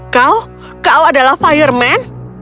kau kau adalah fireman